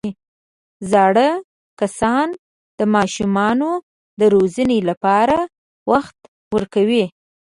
زاړه کسان د ماشومانو د روزنې لپاره وخت ورکوي